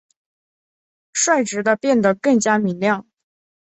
率直地变得更加明亮！